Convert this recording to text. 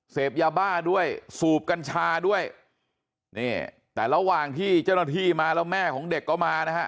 เสพยาบ้าด้วยสูบกัญชาด้วยนี่แต่ระหว่างที่เจ้าหน้าที่มาแล้วแม่ของเด็กก็มานะฮะ